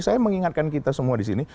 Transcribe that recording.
saya mengingatkan kita semua di sini